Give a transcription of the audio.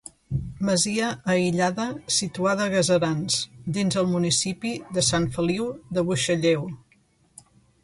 Masia aïllada situada a Gaserans, dins el municipi de Sant Feliu de Buixalleu.